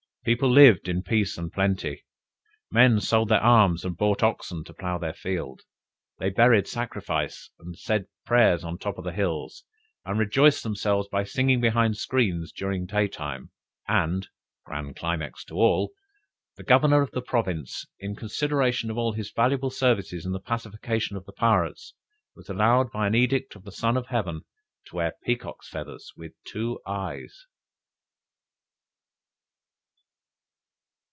People lived in peace and plenty. Men sold their arms and bought oxen to plough their fields; they buried sacrifices, said prayers on the tops of the hills, and rejoiced themselves by singing behind screens during day time" and (grand climax to all!) the Governor of the province, in consideration of his valuable services in the pacification of the pirates, was allowed by an edict of the "Son of Heaven," to wear peacocks' feathers with two eyes!